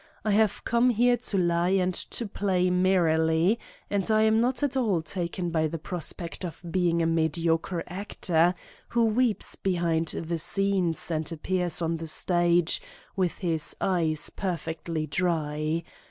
I have come here to lie and to play merrily and I am not at all taken by the prospect of being a mediocre actor, who weeps behind the scenes and appears on the stage with his eyes perfectly dry.